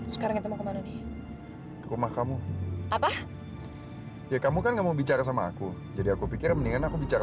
sampai jumpa di video selanjutnya